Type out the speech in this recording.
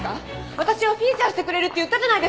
私をフィーチャーしてくれるって言ったじゃないですか！